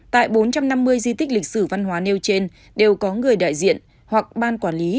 tại bốn trăm năm mươi di tích lịch sử văn hóa nêu trên đều có người đại diện hoặc ban quản lý